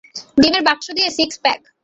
ডিমের বাক্স দিয়ে সিক্স প্যাক।